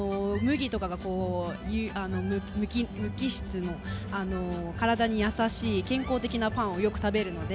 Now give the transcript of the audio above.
麦とかが、無機質の体に優しい健康的なパンをよく食べるので。